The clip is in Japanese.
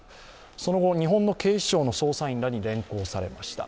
その後日本の警視庁の捜査員らに連行されました。